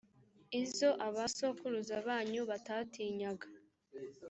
izo abasokuruza banyu batatinyaga.